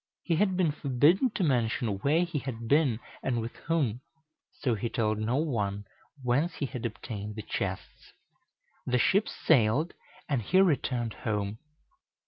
He had been forbidden to mention where he had been and with whom; so he told no one whence he had obtained the chests. The ships sailed, and he returned home.